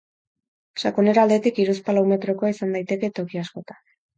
Sakonera aldetik hiruzpalau metrokoa izan daiteke toki askotan.